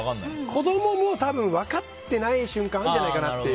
子供も多分分かってない瞬間あるんじゃないかなと。